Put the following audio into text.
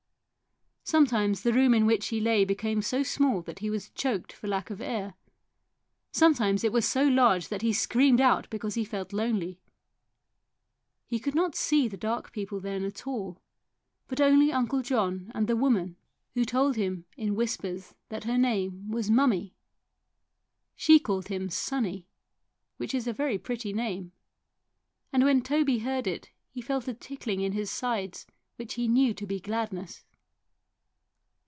Sometimes the room in which he lay became so small that he was choked for lack of air, sometimes it was so large that he screamed out because he felt lonely. He could not see the dark people then at all, but only Uncle John and the woman, who told him in whispers that her 150 THE BIRD IN THE GARDEN name was " Mummie." She called him Sonny, which is a very pretty name, and when Toby heard it he felt a tickling in his sides which he knew to be gladness.